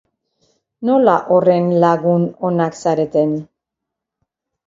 Nola horren la-gun onak zareten...